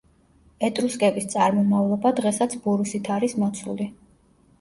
ეტრუსკების წარმომავლობა დღესაც ბურუსით არის მოცული.